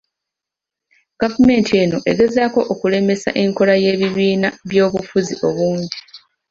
Gavumenti eno egezaako okulemesa enkola y’ebibiina by’obufuzi ebingi.